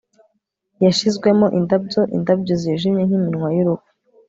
yashizwemo indabyo-indabyo zijimye nk'iminwa y'urupfu